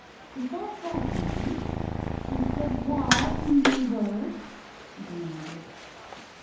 "Is that right, Nebbie? Is 'devoir' a kingly word?" he demanded.